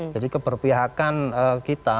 jadi keberpihakan kita